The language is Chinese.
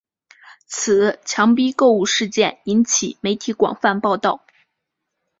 此强逼购物事件引起媒体广泛报道。